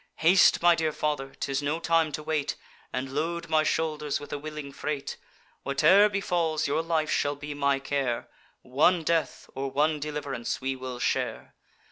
'Haste, my dear father, ('tis no time to wait,) And load my shoulders with a willing freight. Whate'er befalls, your life shall be my care; One death, or one deliv'rance, we will share.